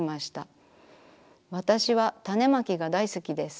わたしは種まきが大好きです。